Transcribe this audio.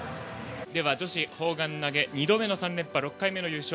女子砲丸投げ２度目の３連覇６回目の優勝。